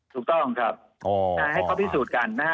ถูกต้องครับให้เขาพิสูจน์กันนะฮะ